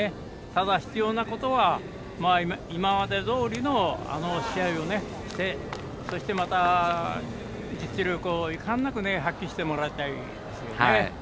ただ、必要なことは今までどおりの、あの試合をそしてまた、実力をいかんなく発揮してもらいたいですね。